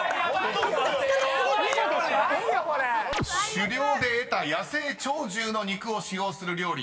［狩猟で得た野生鳥獣の肉を使用する料理］